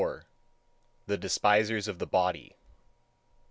THE DESPISERS OF THE BODY.